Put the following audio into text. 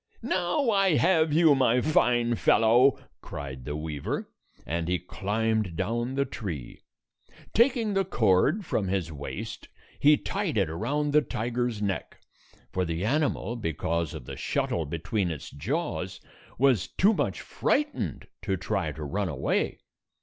"Now I have you, my fine fellow!" cried the weaver, and he climbed down the tree. Taking the cord from his waist, he tied it around the tiger's neck; for the animal, because of the shuttle between its jaws, was too much frightened to try to run away.